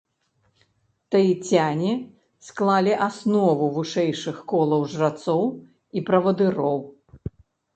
Таіцяне склалі аснову вышэйшых колаў жрацоў і правадыроў.